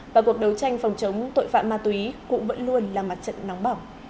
và cuộc đấu tranh phòng chống tội phạm ma túy cũng vẫn luôn là mặt trận nóng bỏng